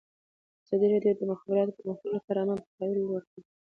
ازادي راډیو د د مخابراتو پرمختګ لپاره عامه پوهاوي لوړ کړی.